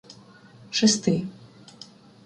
Шести